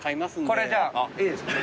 これじゃあいいですか？